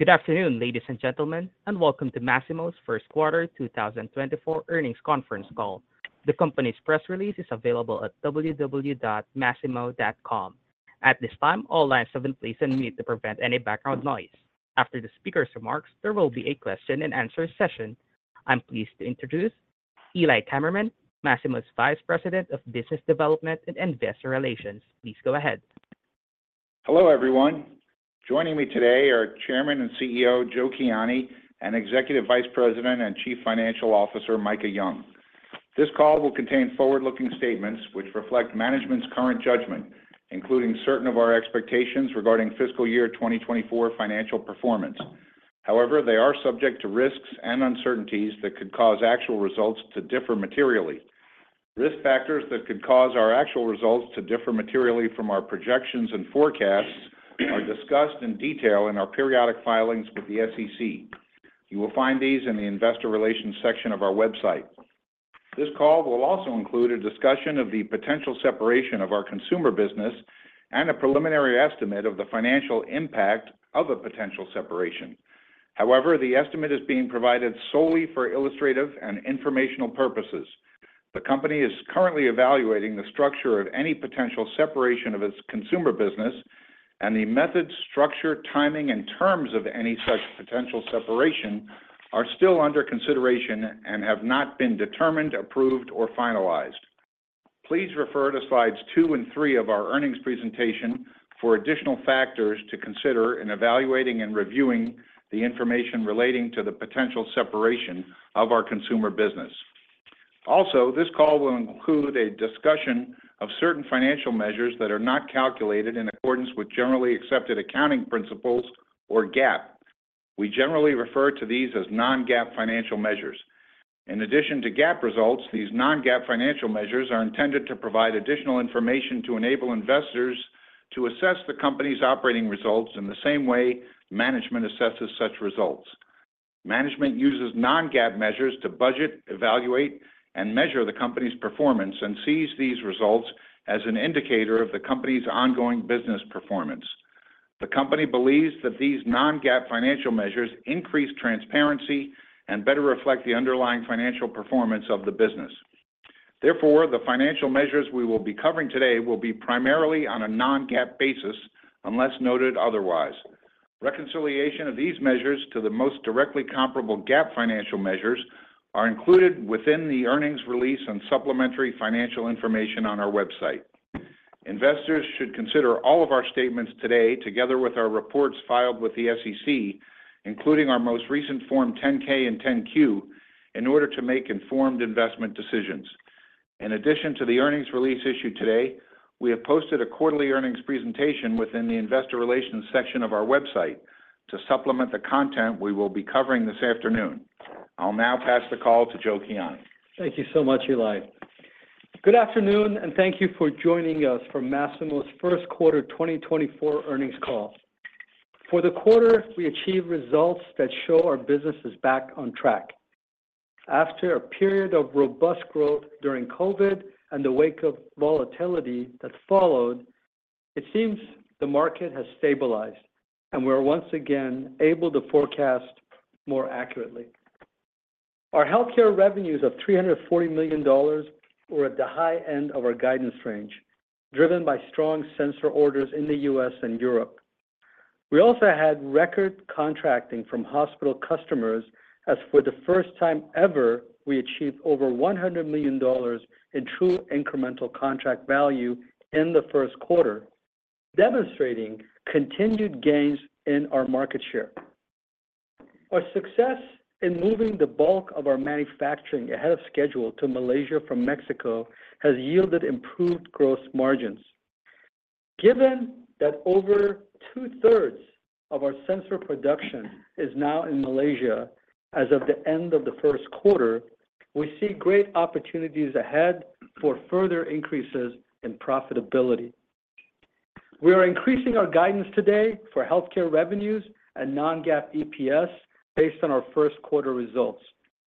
Good afternoon, ladies and gentlemen, and welcome to Masimo's Q1 2024 Earnings Conference call. The company's press release is available at www.masimo.com. At this time, all lines have been placed on mute to prevent any background noise. After the speaker's remarks, there will be a question and answer session. I'm pleased to introduce Eli Kammerman, Masimo's Vice President of Business Development and Investor Relations. Please go ahead. Hello, everyone. Joining me today are Chairman and CEO, Joe Kiani, and Executive Vice President and Chief Financial Officer, Micah Young. This call will contain forward-looking statements which reflect management's current judgment, including certain of our expectations regarding FY 2024 financial performance. However, they are subject to risks and uncertainties that could cause actual results to differ materially. Risk factors that could cause our actual results to differ materially from our projections and forecasts are discussed in detail in our periodic filings with the SEC. You will find these in the Investor Relations section of our website. This call will also include a discussion of the potential separation of our consumer business and a preliminary estimate of the financial impact of a potential separation. However, the estimate is being provided solely for illustrative and informational purposes. The company is currently evaluating the structure of any potential separation of its consumer business, and the method, structure, timing, and terms of any such potential separation are still under consideration and have not been determined, approved, or finalized. Please refer to slides 2 and 3 of our earnings presentation for additional factors to consider in evaluating and reviewing the information relating to the potential separation of our consumer business. Also, this call will include a discussion of certain financial measures that are not calculated in accordance with generally accepted accounting principles or GAAP. We generally refer to these as non-GAAP financial measures. In addition to GAAP results, these non-GAAP financial measures are intended to provide additional information to enable investors to assess the company's operating results in the same way management assesses such results. Management uses non-GAAP measures to budget, evaluate, and measure the company's performance and sees these results as an indicator of the company's ongoing business performance. The company believes that these non-GAAP financial measures increase transparency and better reflect the underlying financial performance of the business. Therefore, the financial measures we will be covering today will be primarily on a non-GAAP basis, unless noted otherwise. Reconciliation of these measures to the most directly comparable GAAP financial measures are included within the earnings release and supplementary financial information on our website. Investors should consider all of our statements today, together with our reports filed with the SEC, including our most recent Form 10-K and 10-Q, in order to make informed investment decisions. In addition to the earnings release issued today, we have posted a quarterly earnings presentation within the Investor Relations section of our website to supplement the content we will be covering this afternoon. I'll now pass the call to Joe Kiani. Thank you so much, Eli. Good afternoon, and thank you for joining us for Masimo's Q1 2024 Earnings Call. For the quarter, we achieved results that show our business is back on track. After a period of robust growth during COVID and the wake of volatility that followed, it seems the market has stabilized, and we are once again able to forecast more accurately. Our healthcare revenues of $340 million were at the high end of our guidance range, driven by strong sensor orders in the U.S. and Europe. We also had record contracting from hospital customers, as for the first time ever, we achieved over $100 million in true incremental contract value in the Q1, demonstrating continued gains in our market share. Our success in moving the bulk of our manufacturing ahead of schedule to Malaysia from Mexico has yielded improved gross margins. Given that over 2/3 of our sensor production is now in Malaysia as of the end of the Q1, we see great opportunities ahead for further increases in profitability. We are increasing our guidance today for healthcare revenues and non-GAAP EPS based on our Q1 results,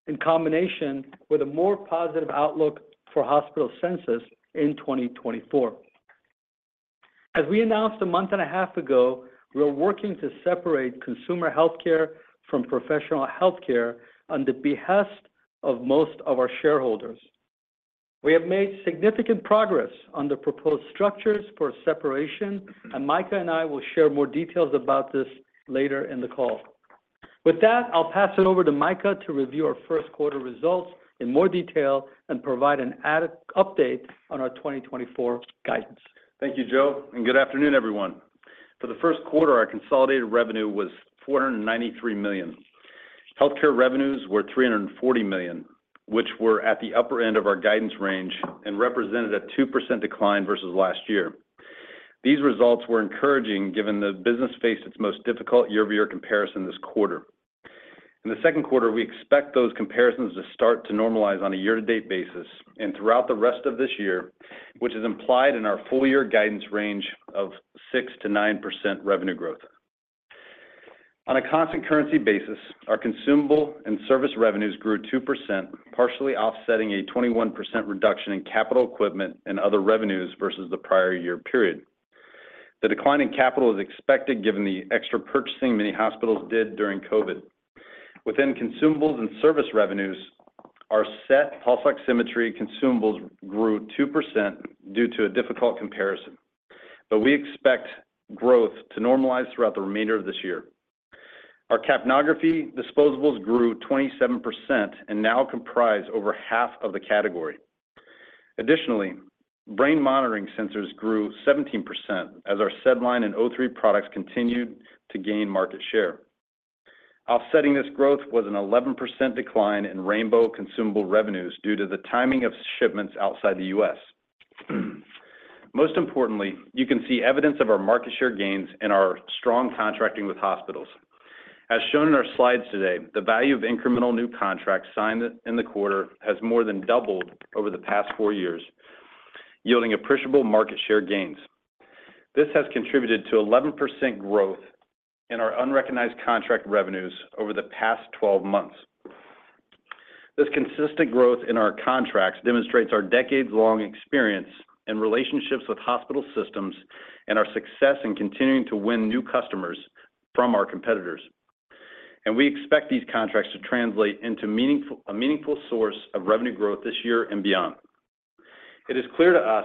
in combination with a more positive outlook for hospital census in 2024. As we announced a month and a half ago, we are working to separate consumer healthcare from professional healthcare on the behest of most of our shareholders. We have made significant progress on the proposed structures for separation, and Micah and I will share more details about this later in the call. With that, I'll pass it over to Micah to review our Q1 results in more detail and provide an added update on our 2024 guidance. Thank you, Joe, and good afternoon, everyone. For the Q1, our consolidated revenue was $493 million. Healthcare revenues were $340 million, which were at the upper end of our guidance range and represented a 2% decline versus last year. These results were encouraging, given the business faced its most difficult year-over-year comparison this quarter. In the Q2, we expect those comparisons to start to normalize on a year-to-date basis and throughout the rest of this year, which is implied in our full year guidance range of 6%-9% revenue growth. On a constant currency basis, our consumable and service revenues grew 2%, partially offsetting a 21% reduction in capital equipment and other revenues versus the prior year period.... The decline in capital is expected, given the extra purchasing many hospitals did during COVID. Within consumables and service revenues, our SET pulse oximetry consumables grew 2% due to a difficult comparison, but we expect growth to normalize throughout the remainder of this year. Our capnography disposables grew 27% and now comprise over half of the category. Additionally, brain monitoring sensors grew 17% as our SedLine and O3 products continued to gain market share. Offsetting this growth was an 11% decline in Rainbow consumable revenues due to the timing of shipments outside the U.S. Most importantly, you can see evidence of our market share gains and our strong contracting with hospitals. As shown in our slides today, the value of incremental new contracts signed in, in the quarter has more than doubled over the past 4 years, yielding appreciable market share gains. This has contributed to 11% growth in our unrecognized contract revenues over the past 12 months. This consistent growth in our contracts demonstrates our decades-long experience and relationships with hospital systems, and our success in continuing to win new customers from our competitors. And we expect these contracts to translate into a meaningful source of revenue growth this year and beyond. It is clear to us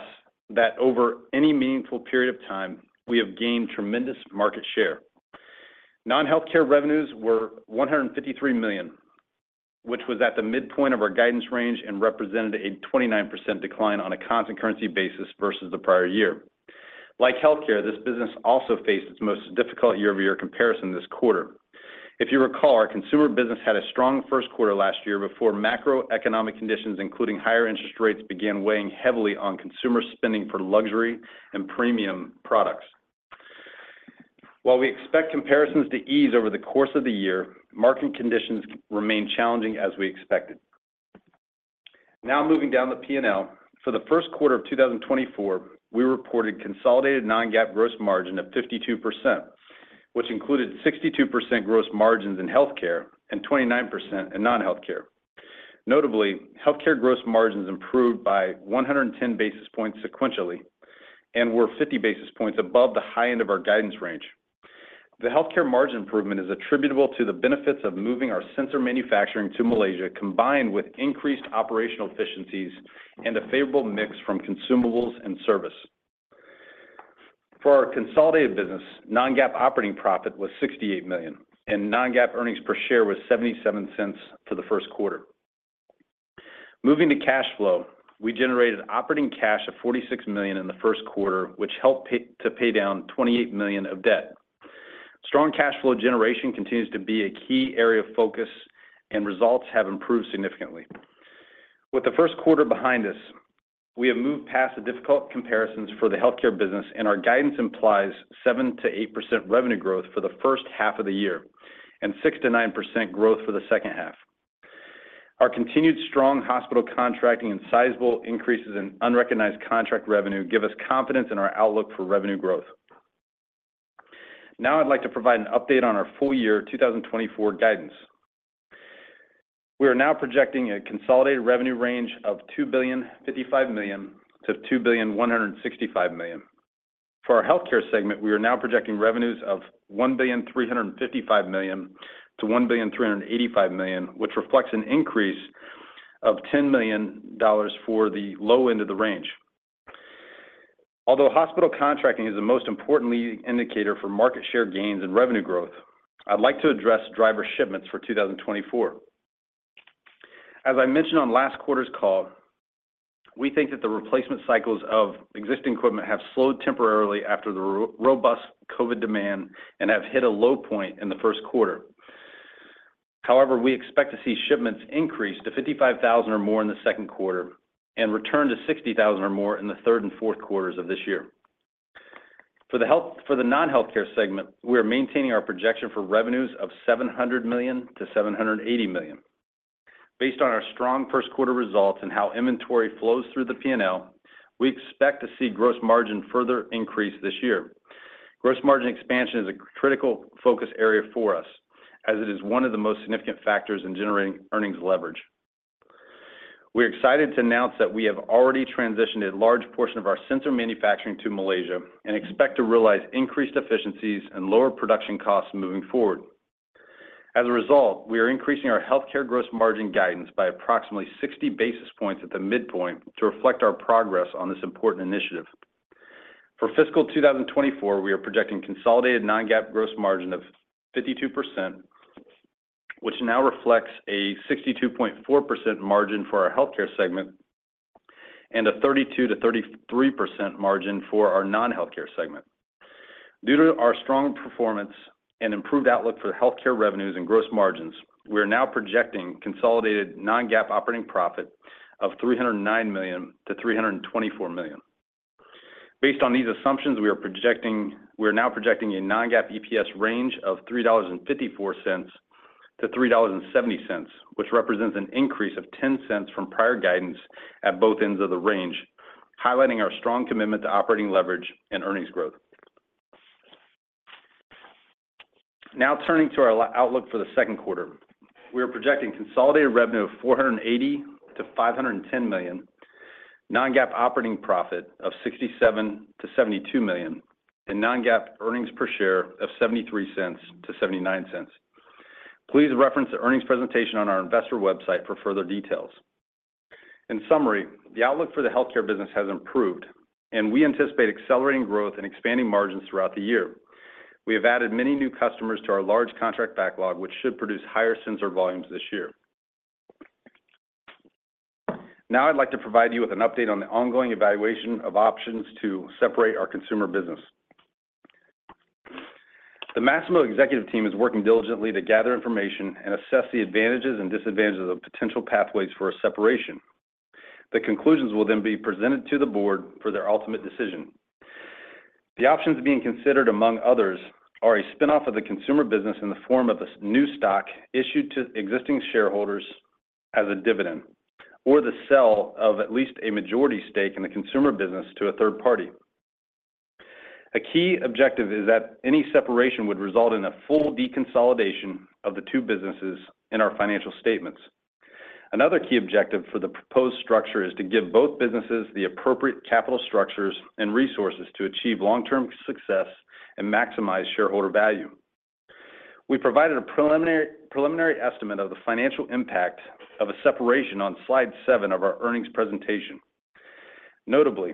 that over any meaningful period of time, we have gained tremendous market share. Non-healthcare revenues were $153 million, which was at the midpoint of our guidance range and represented a 29% decline on a constant currency basis versus the prior year. Like healthcare, this business also faced its most difficult year-over-year comparison this quarter. If you recall, our consumer business had a strong Q1 last year before macroeconomic conditions, including higher interest rates, began weighing heavily on consumer spending for luxury and premium products. While we expect comparisons to ease over the course of the year, market conditions remain challenging as we expected. Now moving down the P&L, for the Q1 2024, we reported consolidated Non-GAAP gross margin of 52%, which included 62% gross margins in healthcare and 29% in non-healthcare. Notably, healthcare gross margins improved by 110 basis points sequentially and were 50 basis points above the high end of our guidance range. The healthcare margin improvement is attributable to the benefits of moving our sensor manufacturing to Malaysia, combined with increased operational efficiencies and a favorable mix from consumables and service. For our consolidated business, non-GAAP operating profit was $68 million, and non-GAAP earnings per share was $0.77 for the Q1. Moving to cash flow, we generated operating cash of $46 million in the Q1, which helped pay down $28 million of debt. Strong cash flow generation continues to be a key area of focus, and results have improved significantly. With the Q1 behind us, we have moved past the difficult comparisons for the healthcare business, and our guidance implies 7%-8% revenue growth for the H1 of the year and 6%-9% growth for the H2. Our continued strong hospital contracting and sizable increases in unrecognized contract revenue give us confidence in our outlook for revenue growth. Now I'd like to provide an update on our full year 2024 guidance. We are now projecting a consolidated revenue range of $2.055 billion-$2.165 billion. For our healthcare segment, we are now projecting revenues of $1.355 billion-$1.385 billion, which reflects an increase of $10 million for the low end of the range. Although hospital contracting is the most important leading indicator for market share gains and revenue growth, I'd like to address driver shipments for 2024. As I mentioned on last quarter's call, we think that the replacement cycles of existing equipment have slowed temporarily after the robust COVID demand and have hit a low point in the Q1. However, we expect to see shipments increase to 55,000 or more in the Q2 and return to 60,000 or more in the Q3 and Q4 of this year. For the non-healthcare segment, we are maintaining our projection for revenues of $700 million-$780 million. Based on our strong Q1 results and how inventory flows through the P&L, we expect to see gross margin further increase this year. Gross margin expansion is a critical focus area for us, as it is one of the most significant factors in generating earnings leverage. We're excited to announce that we have already transitioned a large portion of our sensor manufacturing to Malaysia and expect to realize increased efficiencies and lower production costs moving forward. As a result, we are increasing our healthcare gross margin guidance by approximately 60 basis points at the midpoint to reflect our progress on this important initiative. For fiscal 2024, we are projecting consolidated non-GAAP gross margin of 52%, which now reflects a 62.4% margin for our healthcare segment and a 32%-33% margin for our non-healthcare segment. Due to our strong performance and improved outlook for healthcare revenues and gross margins, we are now projecting consolidated non-GAAP operating profit of $309 million-$324 million. Based on these assumptions, we are now projecting a non-GAAP EPS range of $3.54-$3.70, which represents an increase of $0.10 from prior guidance at both ends of the range, highlighting our strong commitment to operating leverage and earnings growth. Now turning to our outlook for the Q2. We are projecting consolidated revenue of $480-$510 million, non-GAAP operating profit of $67 million-$72 million, and non-GAAP earnings per share of $0.73-$0.79. Please reference the earnings presentation on our investor website for further details. In summary, the outlook for the healthcare business has improved, and we anticipate accelerating growth and expanding margins throughout the year. We have added many new customers to our large contract backlog, which should produce higher sensor volumes this year. Now, I'd like to provide you with an update on the ongoing evaluation of options to separate our consumer business. The Masimo executive team is working diligently to gather information and assess the advantages and disadvantages of potential pathways for a separation. The conclusions will then be presented to the board for their ultimate decision. The options being considered, among others, are a spin-off of the consumer business in the form of a new stock issued to existing shareholders as a dividend, or the sale of at least a majority stake in the consumer business to a third party. A key objective is that any separation would result in a full deconsolidation of the two businesses in our financial statements. Another key objective for the proposed structure is to give both businesses the appropriate capital structures and resources to achieve long-term success and maximize shareholder value. We provided a preliminary estimate of the financial impact of a separation on slide 7 of our earnings presentation. Notably,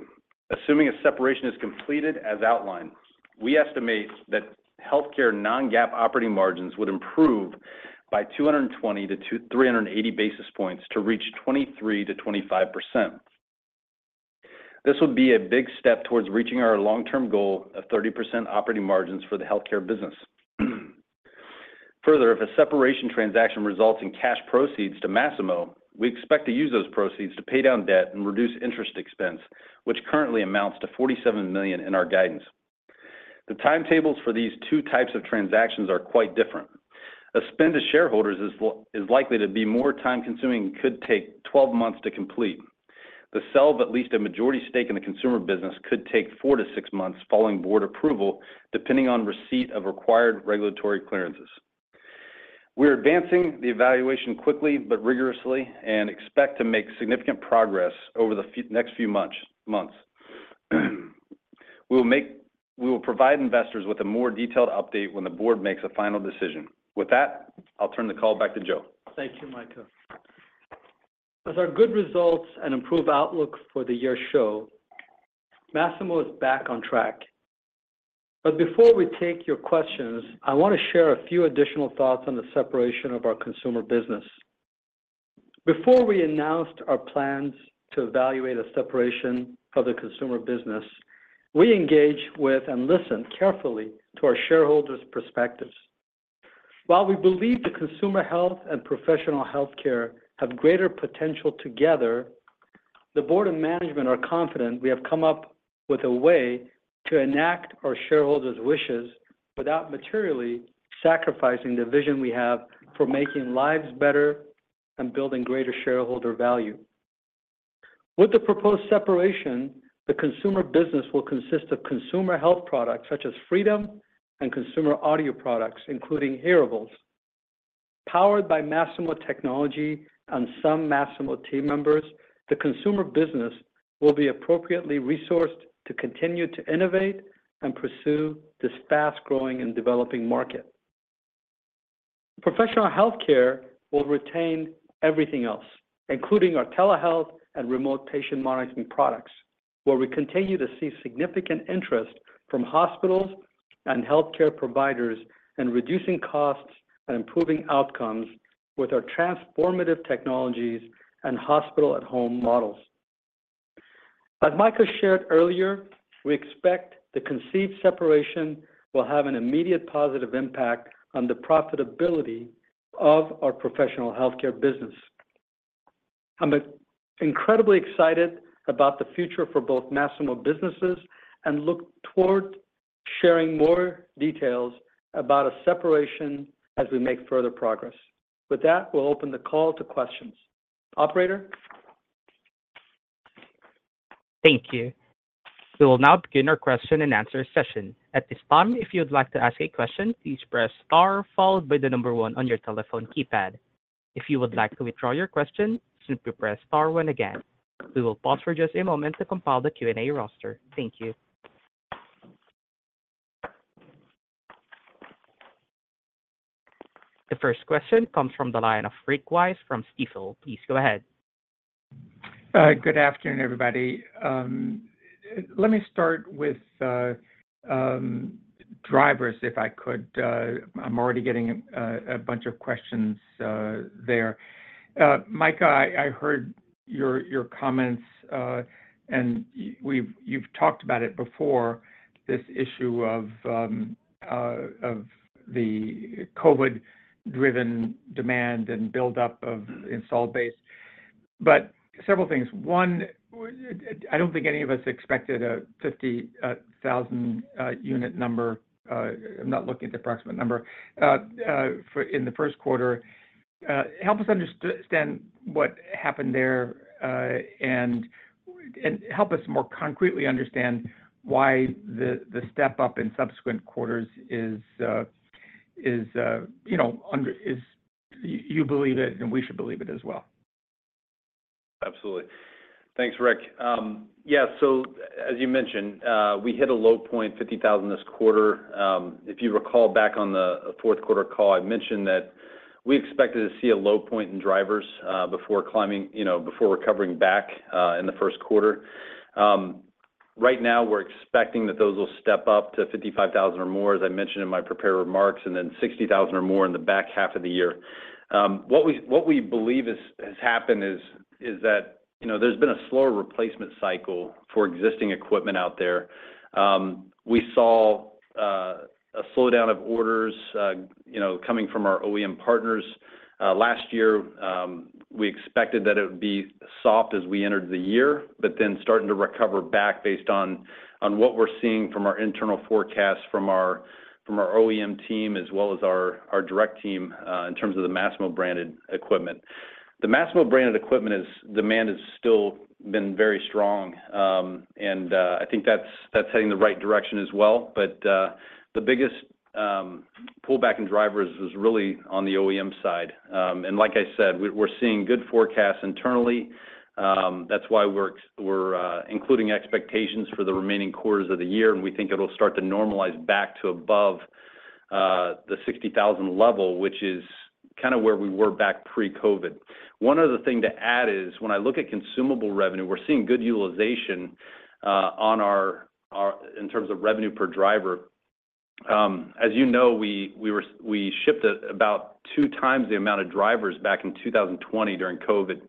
assuming a separation is completed as outlined, we estimate that healthcare non-GAAP operating margins would improve by 220-380 basis points to reach 23%-25%. This would be a big step towards reaching our long-term goal of 30% operating margins for the healthcare business. Further, if a separation transaction results in cash proceeds to Masimo, we expect to use those proceeds to pay down debt and reduce interest expense, which currently amounts to $47 million in our guidance. The timetables for these two types of transactions are quite different. A spin to shareholders is likely to be more time consuming and could take 12 months to complete. The sale of at least a majority stake in the consumer business could take 4-6 months following board approval, depending on receipt of required regulatory clearances. We are advancing the evaluation quickly but rigorously, and expect to make significant progress over the next few months. We will provide investors with a more detailed update when the board makes a final decision. With that, I'll turn the call back to Joe. Thank you, Micah. As our good results and improved outlook for the year show, Masimo is back on track. But before we take your questions, I want to share a few additional thoughts on the separation of our consumer business. Before we announced our plans to evaluate a separation of the consumer business, we engaged with and listened carefully to our shareholders' perspectives. While we believe the consumer health and professional healthcare have greater potential together, the board and management are confident we have come up with a way to enact our shareholders' wishes without materially sacrificing the vision we have for making lives better and building greater shareholder value. With the proposed separation, the consumer business will consist of consumer health products, such as Freedom, and consumer audio products, including hearables. Powered by Masimo technology and some Masimo team members, the consumer business will be appropriately resourced to continue to innovate and pursue this fast-growing and developing market. Professional healthcare will retain everything else, including our telehealth and remote patient monitoring products, where we continue to see significant interest from hospitals and healthcare providers in reducing costs and improving outcomes with our transformative technologies and hospital-at-home models. As Micah shared earlier, we expect the conceived separation will have an immediate positive impact on the profitability of our professional healthcare business. I'm incredibly excited about the future for both Masimo businesses and look toward sharing more details about a separation as we make further progress. With that, we'll open the call to questions. Operator? Thank you. We will now begin our question-and-answer session. At this time, if you would like to ask a question, please press star, followed by the number one on your telephone keypad. If you would like to withdraw your question, simply press star one again. We will pause for just a moment to compile the Q&A roster. Thank you. The first question comes from the line of Rick Wise from Stifel. Please go ahead. Good afternoon, everybody. Let me start with drivers, if I could. I'm already getting a bunch of questions there. Micah, I heard your comments, and you've talked about it before, this issue of the COVID-driven demand and buildup of installed base. But several things. One, I don't think any of us expected a 50,000-unit number. I'm not looking at the approximate number for the Q1. Help us understand what happened there, and help us more concretely understand why the step up in subsequent quarters is, you know, what you believe it is, and we should believe it as well. Absolutely. Thanks, Rick. Yeah, so as you mentioned, we hit a low point, 50,000 this quarter. If you recall back on the Q4 call, I mentioned that we expected to see a low point in drivers before climbing, you know, before recovering back in the Q1. Right now, we're expecting that those will step up to 55,000 or more, as I mentioned in my prepared remarks, and then 60,000 or more in the back half of the year. What we believe has happened is that, you know, there's been a slower replacement cycle for existing equipment out there. We saw a slowdown of orders, you know, coming from our OEM partners. Last year, we expected that it would be soft as we entered the year, but then starting to recover back based on what we're seeing from our internal forecast, from our OEM team, as well as our direct team, in terms of the Masimo-branded equipment. The Masimo-branded equipment... demand has still been very strong, and I think that's heading in the right direction as well. But the biggest pullback in drivers is really on the OEM side. And like I said, we're seeing good forecasts internally. That's why we're including expectations for the remaining quarters of the year, and we think it'll start to normalize back to above the 60,000 level, which is kind of where we were back pre-COVID. One other thing to add is, when I look at consumable revenue, we're seeing good utilization on our in terms of revenue per driver. As you know, we shipped about 2x the amount of drivers back in 2020 during COVID.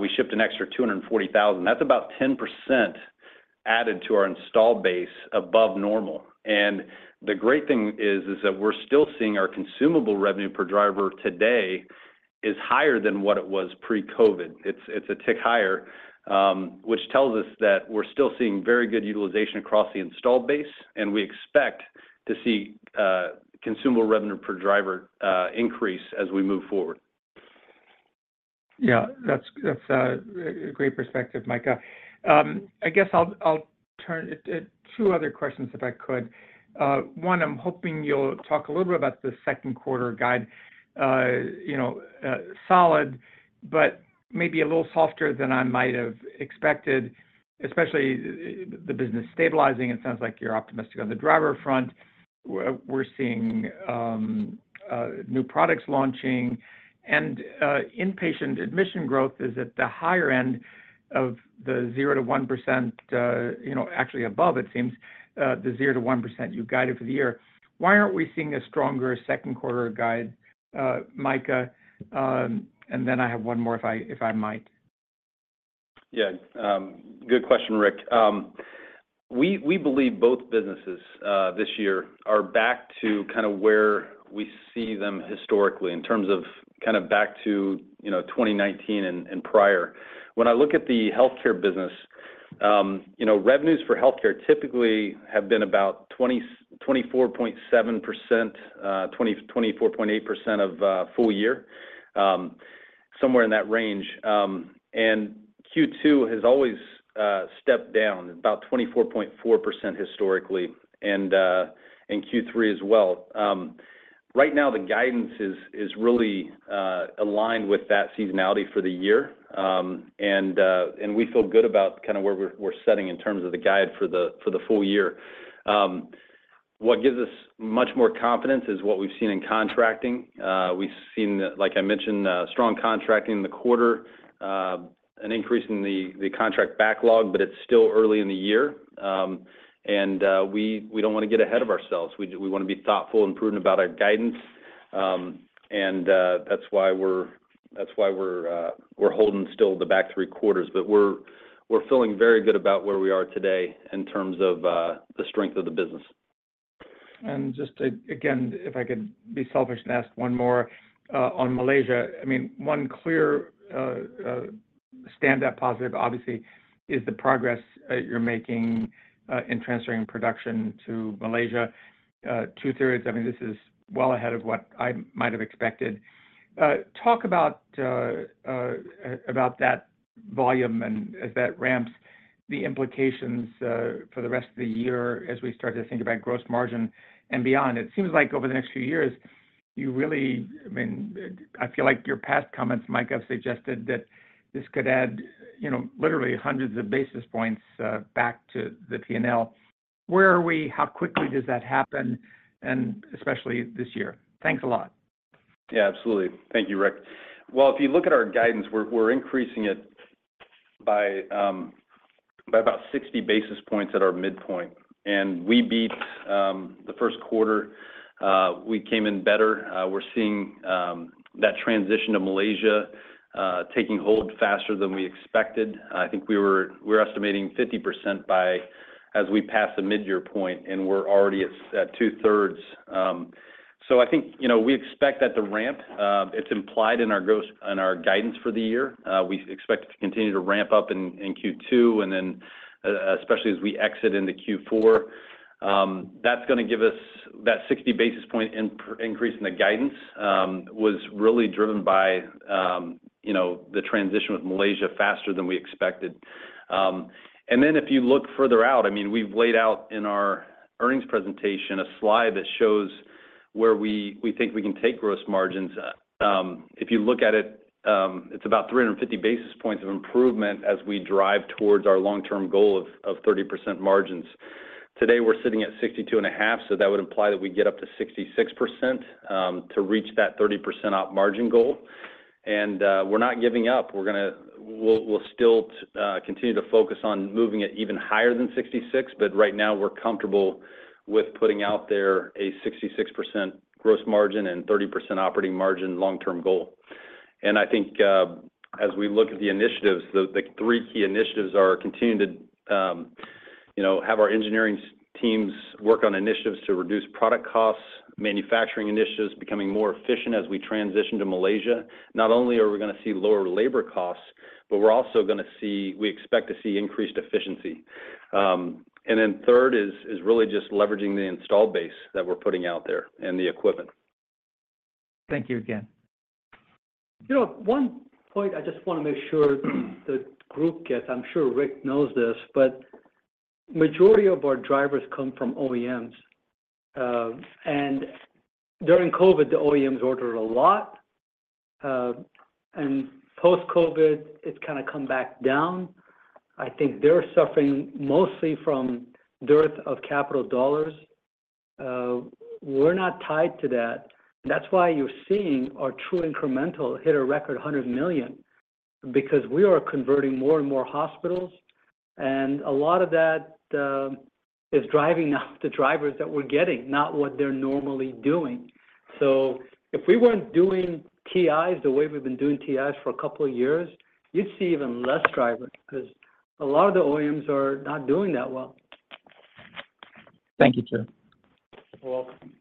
We shipped an extra 240,000. That's about 10% added to our installed base above normal. And the great thing is that we're still seeing our consumable revenue per driver today is higher than what it was pre-COVID. It's a tick higher, which tells us that we're still seeing very good utilization across the installed base, and we expect to see consumable revenue per driver increase as we move forward. Yeah, that's a great perspective, Micah. I guess I'll turn it. Two other questions, if I could. One, I'm hoping you'll talk a little bit about the Q2 guide. You know, solid, but maybe a little softer than I might have expected, especially the business stabilizing. It sounds like you're optimistic on the driver front. We're seeing new products launching, and inpatient admission growth is at the higher end of the 0%-1%, you know, actually above, it seems, the 0%-1% you've guided for the year. Why aren't we seeing a stronger Q2 guide, Micah? And then I have one more, if I might. Yeah. Good question, Rick. We believe both businesses this year are back to kind of where we see them historically in terms of kind of back to, you know, 2019 and prior. When I look at the healthcare business, you know, revenues for healthcare typically have been about 24.8% of full year, somewhere in that range. And Q2 has always stepped down about 24.4% historically, and Q3 as well. Right now, the guidance is really aligned with that seasonality for the year. And we feel good about kind of where we're setting in terms of the guide for the full year. What gives us much more confidence is what we've seen in contracting. We've seen, like I mentioned, strong contracting in the quarter, an increase in the contract backlog, but it's still early in the year. We don't want to get ahead of ourselves. We want to be thoughtful and prudent about our guidance. That's why we're holding still the back three quarters. But we're feeling very good about where we are today in terms of the strength of the business. Just again, if I could be selfish and ask one more on Malaysia. I mean, one clear standout positive, obviously, is the progress that you're making in transferring production to Malaysia. Two-thirds, I mean, this is well ahead of what I might have expected. Talk about that volume and as that ramps, the implications for the rest of the year as we start to think about gross margin and beyond. It seems like over the next few years, you really... I mean, I feel like your past comments, Micah, have suggested that this could add, you know, literally hundreds of basis points back to the P&L. Where are we? How quickly does that happen, and especially this year? Thanks a lot. Yeah, absolutely. Thank you, Rick. Well, if you look at our guidance, we're increasing it by about 60 basis points at our midpoint, and we beat the Q1. We came in better. We're seeing that transition to Malaysia taking hold faster than we expected. I think we're estimating 50% by as we pass the midyear point, and we're already at 2/3. So I think, you know, we expect that the ramp, it's implied in our guidance for the year. We expect it to continue to ramp up in Q2, and then especially as we exit into Q4. That's gonna give us that 60 basis point increase in the guidance was really driven by, you know, the transition with Malaysia faster than we expected. And then if you look further out, I mean, we've laid out in our earnings presentation, a slide that shows where we think we can take gross margins. If you look at it, it's about 350 basis points of improvement as we drive towards our long-term goal of 30% margins. Today, we're sitting at 62.5, so that would imply that we get up to 66% to reach that 30% op margin goal. And, we're not giving up. We're gonna. We'll still continue to focus on moving it even higher than 66, but right now we're comfortable with putting out there a 66% gross margin and 30% operating margin long-term goal. I think as we look at the initiatives, the three key initiatives are continuing to, you know, have our engineering teams work on initiatives to reduce product costs, manufacturing initiatives, becoming more efficient as we transition to Malaysia. Not only are we gonna see lower labor costs, but we're also gonna see, we expect to see increased efficiency. And then third is really just leveraging the installed base that we're putting out there and the equipment. Thank you again. You know, one point I just wanna make sure the group gets. I'm sure Rick knows this, but majority of our drivers come from OEMs. And during COVID, the OEMs ordered a lot, and post-COVID, it's kind of come back down. I think they're suffering mostly from dearth of capital dollars. We're not tied to that, and that's why you're seeing our True Incremental hit a record $100 million, because we are converting more and more hospitals, and a lot of that is driving off the drivers that we're getting, not what they're normally doing. So if we weren't doing TIs the way we've been doing TIs for a couple of years, you'd see even less drivers, 'cause a lot of the OEMs are not doing that well. Thank you, Joe. You're welcome.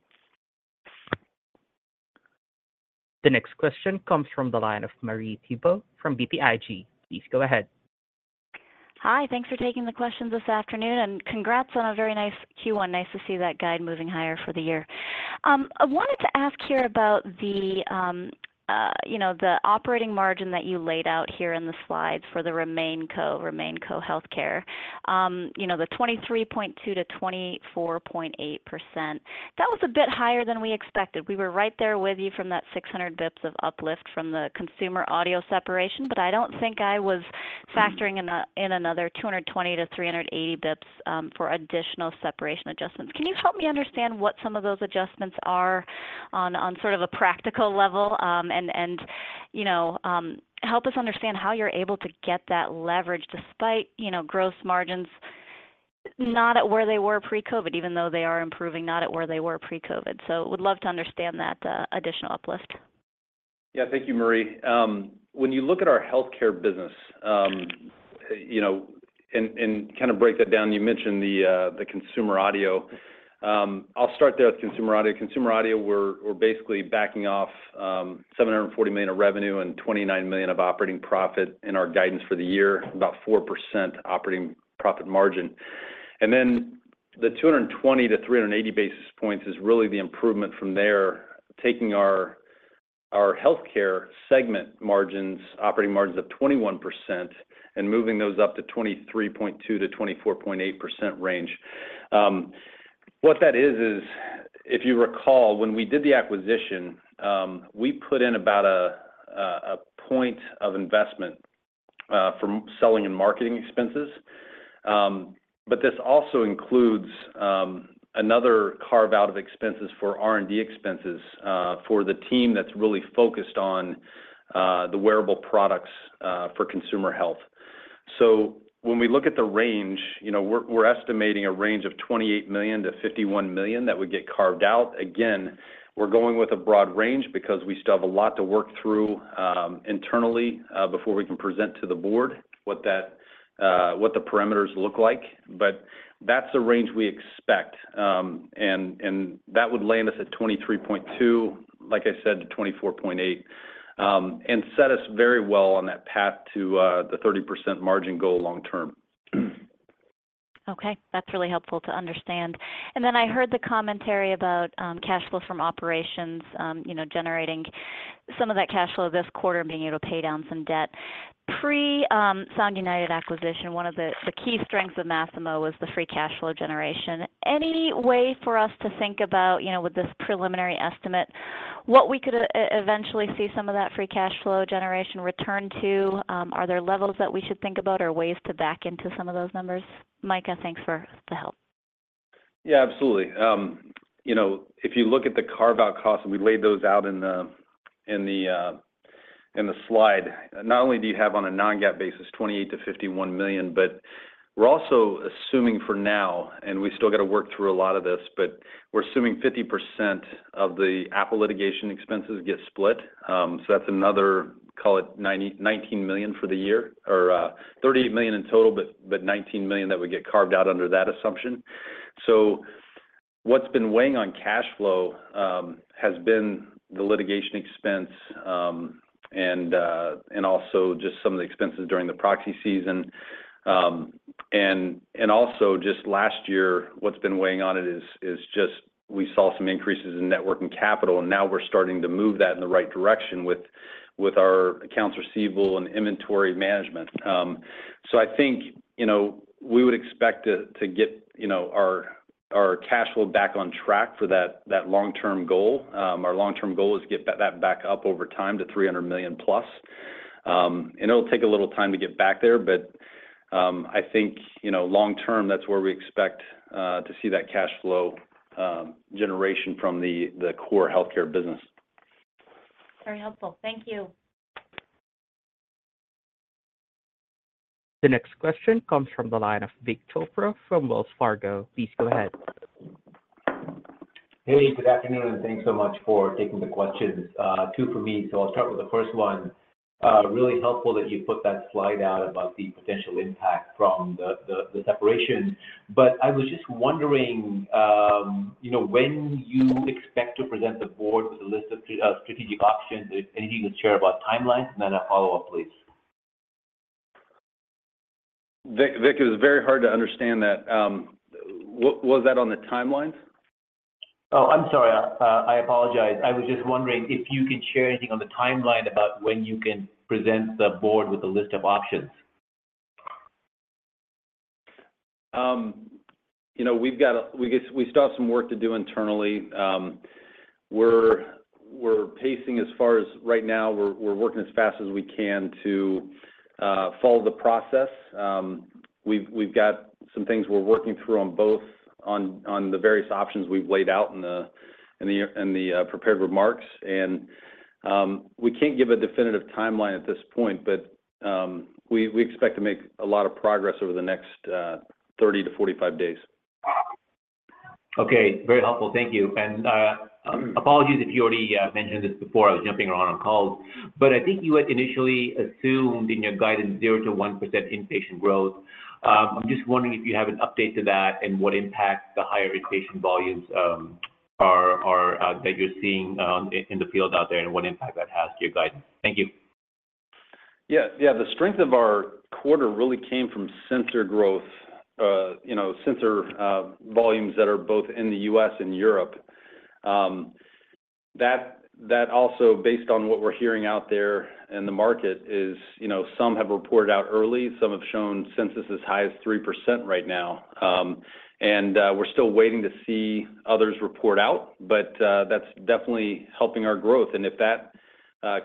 The next question comes from the line of Marie Thibault from BTIG. Please go ahead. Hi, thanks for taking the questions this afternoon, and congrats on a very nice Q1. Nice to see that guide moving higher for the year. I wanted to ask here about the, you know, the operating margin that you laid out here in the slides for the RemainCo, RemainCo Healthcare. You know, the 23.2%-24.8%. That was a bit higher than we expected. We were right there with you from that 600 bps of uplift from the consumer audio separation, but I don't think I was factoring in another 220-380 bps for additional separation adjustments. Can you help me understand what some of those adjustments are on sort of a practical level? You know, help us understand how you're able to get that leverage despite, you know, gross margins not at where they were pre-COVID, even though they are improving, not at where they were pre-COVID. So would love to understand that additional uplift. Yeah. Thank you, Marie. When you look at our healthcare business, you know, and kind of break that down, you mentioned the consumer audio. I'll start there with consumer audio. Consumer audio, we're basically backing off $740 million of revenue and $29 million of operating profit in our guidance for the year, about 4% operating profit margin. And then the 220-380 basis points is really the improvement from there, taking our healthcare segment margins, operating margins of 21% and moving those up to 23.2%-24.8% range. What that is, is if you recall, when we did the acquisition, we put in about a point of investment from selling and marketing expenses. But this also includes another carve out of expenses for R&D expenses for the team that's really focused on the wearable products for consumer health. So when we look at the range, you know, we're estimating a range of $28 million-$51 million that would get carved out. Again, we're going with a broad range because we still have a lot to work through internally before we can present to the board what that, what the parameters look like. But that's the range we expect, and that would land us at 23.2, like I said, to 24.8, and set us very well on that path to the 30% margin goal long term. Okay. That's really helpful to understand. And then I heard the commentary about cash flow from operations, you know, generating some of that cash flow this quarter, being able to pay down some debt. Pre Sound United acquisition, one of the key strengths of Masimo was the free cash flow generation. Any way for us to think about, you know, with this preliminary estimate, what we could eventually see some of that free cash flow generation return to? Are there levels that we should think about or ways to back into some of those numbers? Micah, thanks for the help. Yeah, absolutely. You know, if you look at the carve-out costs, and we laid those out in the slide, not only do you have on a non-GAAP basis, $28 million-$51 million, but we're also assuming for now, and we still got to work through a lot of this, but we're assuming 50% of the Apple litigation expenses get split. So that's another, call it $19 million for the year, or $38 million in total, but $19 million that would get carved out under that assumption. So, what's been weighing on cash flow has been the litigation expense, and also just some of the expenses during the proxy season. And also just last year, what's been weighing on it is just we saw some increases in net working capital, and now we're starting to move that in the right direction with our accounts receivable and inventory management. So I think, you know, we would expect to get, you know, our cash flow back on track for that long-term goal. Our long-term goal is to get that back up over time to $300 million+. And it'll take a little time to get back there, but I think, you know, long term, that's where we expect to see that cash flow generation from the core healthcare business. Very helpful. Thank you. The next question comes from the line of Vik Chopra from Wells Fargo. Please go ahead. Hey, good afternoon, and thanks so much for taking the questions. Two for me, so I'll start with the first one. Really helpful that you put that slide out about the potential impact from the separation. But I was just wondering, you know, when you expect to present the board with a list of strategic options, if anything, you share about timelines? And then a follow-up, please. Vik, Vik, it was very hard to understand that. What was that on the timelines? Oh, I'm sorry. I apologize. I was just wondering if you could share anything on the timeline about when you can present the board with a list of options? You know, we still have some work to do internally. We're pacing as far as right now, we're working as fast as we can to follow the process. We've got some things we're working through on both on the various options we've laid out in the prepared remarks. And we can't give a definitive timeline at this point, but we expect to make a lot of progress over the next 30-45 days. Okay. Very helpful. Thank you. And, apologies if you already mentioned this before. I was jumping around on calls, but I think you had initially assumed in your guidance, 0%-1% inpatient growth. I'm just wondering if you have an update to that and what impact the higher inpatient volumes are that you're seeing in the field out there, and what impact that has to your guidance. Thank you. Yeah, yeah. The strength of our quarter really came from sensor growth, you know, sensor volumes that are both in the U.S. and Europe. That also, based on what we're hearing out there in the market, is, you know, some have reported out early, some have shown census as high as 3% right now. And we're still waiting to see others report out, but that's definitely helping our growth. And if that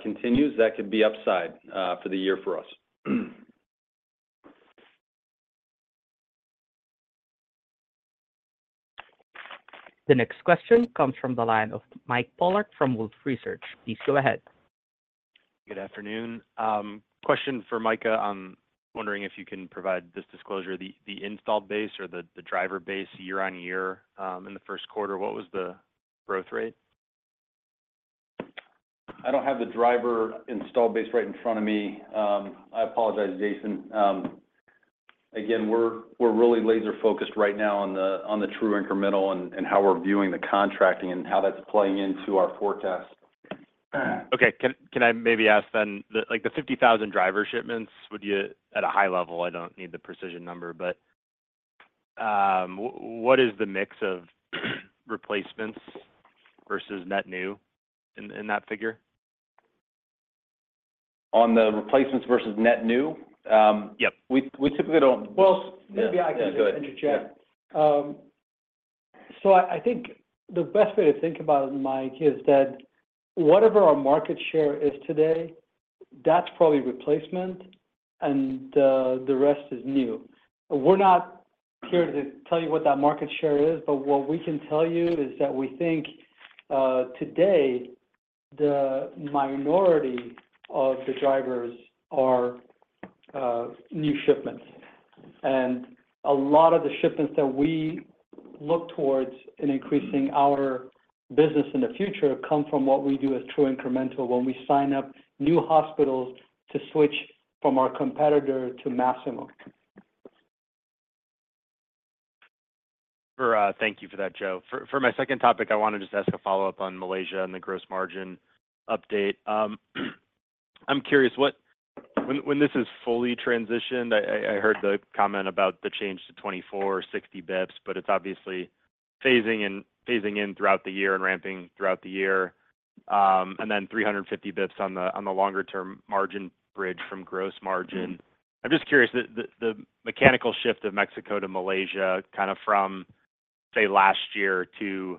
continues, that could be upside for the year for us. The next question comes from the line of Mike Polark from Wolfe Research. Please go ahead. Good afternoon. Question for Micah. I'm wondering if you can provide this disclosure, the installed base or the driver base year-over-year, in the Q1, what was the growth rate? I don't have the driver installed base right in front of me. I apologize, Jason. Again, we're really laser-focused right now on the True Incremental and how we're viewing the contracting and how that's playing into our forecast. Okay. Can I maybe ask then, like, the 50,000 driver shipments, would you... at a high level, I don't need the precision number, but, what is the mix of replacements versus net new in that figure? On the replacements versus net new? Yep. We typically don't- Well, maybe I can interject. Yeah. So I think the best way to think about it, Mike, is that whatever our market share is today, that's probably replacement, and the rest is new. We're not here to tell you what that market share is, but what we can tell you is that we think today, the minority of the drivers are new shipments. And a lot of the shipments that we look towards in increasing our business in the future come from what we do as true incremental when we sign up new hospitals to switch from our competitor to Masimo. Sure. Thank you for that, Joe. For my second topic, I want to just ask a follow-up on Malaysia and the gross margin update. I'm curious. When this is fully transitioned, I heard the comment about the change to 24 or 60 basis points, but it's obviously phasing in throughout the year and ramping throughout the year. And then 350 basis points on the longer-term margin bridge from gross margin. I'm just curious, the mechanical shift of Mexico to Malaysia, kind of from, say, last year to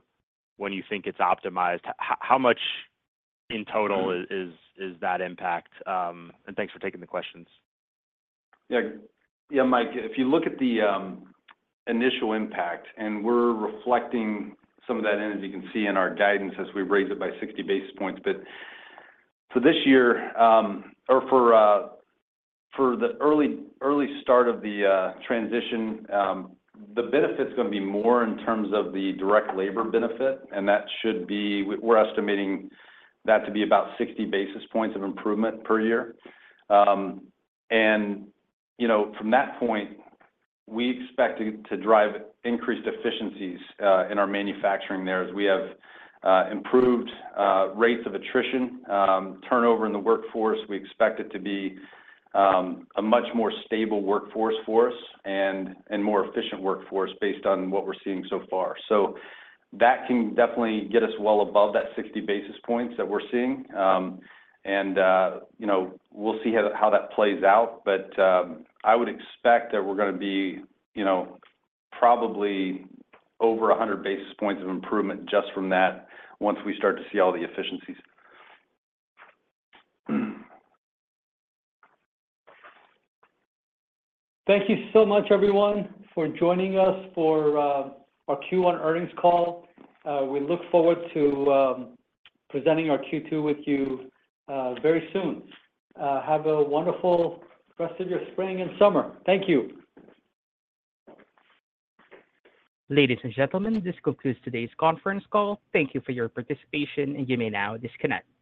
when you think it's optimized, how much in total is that impact? And thanks for taking the questions. Yeah. Yeah, Mike, if you look at the, initial impact, and we're reflecting some of that in, as you can see in our guidance, as we raise it by 60 basis points. But for this year, or for, for the early start of the, transition, the benefit is gonna be more in terms of the direct labor benefit, and that should be... We're, we're estimating that to be about 60 basis points of improvement per year. And, you know, from that point, we expect to, to drive increased efficiencies, in our manufacturing there, as we have, improved, rates of attrition, turnover in the workforce. We expect it to be, a much more stable workforce for us and, and more efficient workforce based on what we're seeing so far. So that can definitely get us well above that 60 basis points that we're seeing. And, you know, we'll see how that plays out, but, I would expect that we're gonna be, you know, probably over 100 basis points of improvement just from that, once we start to see all the efficiencies. Thank you so much, everyone, for joining us for our Q1 earnings call. We look forward to presenting our Q2 with you very soon. Have a wonderful rest of your spring and summer. Thank you. Ladies and gentlemen, this concludes today's conference call. Thank you for your participation, and you may now disconnect.